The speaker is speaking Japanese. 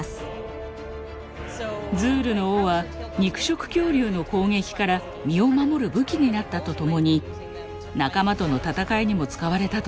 ズールの尾は肉食恐竜の攻撃から身を守る武器になったとともに仲間との戦いにも使われたと考えます。